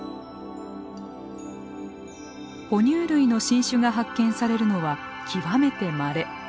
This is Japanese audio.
ほ乳類の新種が発見されるのは極めてまれ。